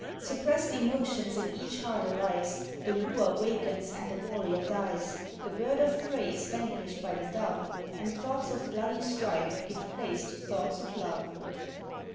Suppressed emotions in each heart arise, The wooer wakens and the warrior dies. The bird of prey is vanquished by the dove, And thoughts of bloody strife give place to thoughts of love.